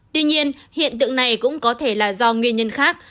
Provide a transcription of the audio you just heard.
tuy nhiên hiện tượng này cũng có thể là do nguyên nhân khác